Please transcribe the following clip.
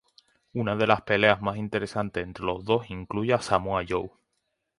Una de las peleas más interesantes entre los dos incluye a Samoa Joe.